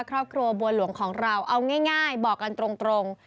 ครอบครัวบัวหลวงของเราเอาง่ายบอกกันตรง